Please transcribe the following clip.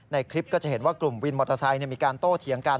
คลิปก็จะเห็นว่ากลุ่มวินมอเตอร์ไซค์มีการโต้เถียงกัน